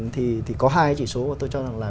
thì có hai cái chỉ số mà tôi cho rằng là